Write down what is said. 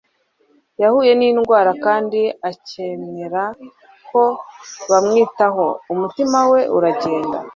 yahuye n'indwara kandi akemera ko bamwitaho. umutima we uragenda